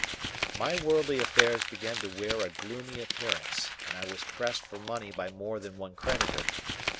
My worldly affairs began to wear a gloomy appearance, and I was pressed for money by more than one creditor.